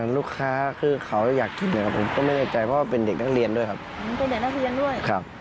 ลูกค้าคือเขาอยากกินนะครับผมก็ไม่แน่ใจเพราะว่าเป็นเด็กนักเรียนด้วยครับ